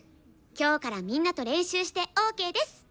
今日からみんなと練習してＯＫです！